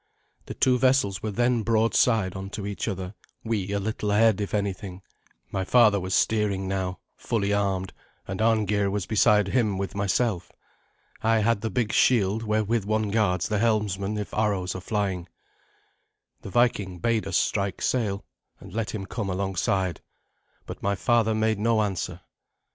The two vessels were then broadside on to each other, we a little ahead, if anything. My father was steering now, fully armed, and Arngeir was beside him with myself. I had the big shield wherewith one guards the helmsman if arrows are flying. The Viking bade us strike sail, and let him come alongside, but my father made no answer.